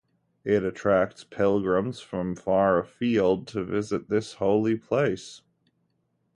It attracts pilgrims from far-afield to visit this holy place.